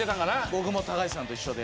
僕も高橋さんと一緒で。